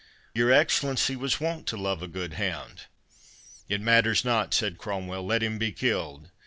Your Excellency was wont to love a good hound?" "It matters not," said Cromwell; "let him be killed.